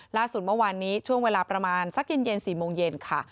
ล่าสุดเมื่อวานนี้ช่วงเวลาประมาณสักเย็น๔โมงเย็นค่ะ